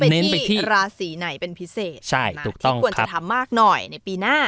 เน้นไปที่ราศีไหนเป็นพิเศษใช่ถูกต้องครับที่ควรจะทำมากหน่อยในปีหน้า